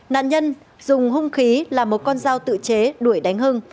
nạn nhân dùng hung khí là một con dao tự chế đuổi đánh hưng